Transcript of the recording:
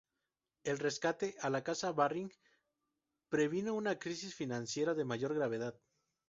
El rescate a la casa Baring previno una crisis financiera de mayor gravedad.